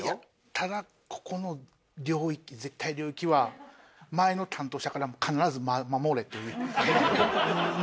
ただここの絶対領域は前の担当者からも「必ず守れ」というのをですね。